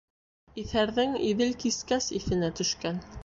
Иҫәрҙең Иҙел кискәс иҫенә төшкән.